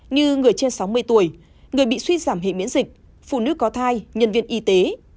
như người trên sáu mươi tuổi người bị suy giảm hệ miễn dịch phụ nữ có thai nhân viên y tế